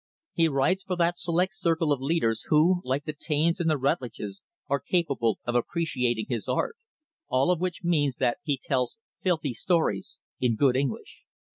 He writes for that select circle of leaders who, like the Taines and the Rutlidges, are capable of appreciating his art. All of which means that he tells filthy stories in good English.